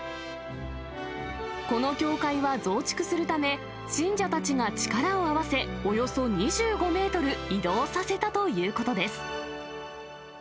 この教会は増築するため、信者たちが力を合わせ、およそ２５メートル移動させたということです。